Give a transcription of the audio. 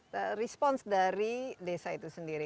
dan juga respons dari desa itu sendiri